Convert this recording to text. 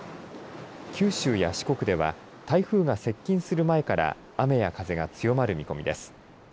九州や四国では台風が接近する前から雨や風が強まる見込みです。